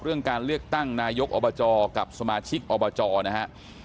เรื่องการเลือกตั้งนายกอบจกับสมาชิกอบจนะฮะ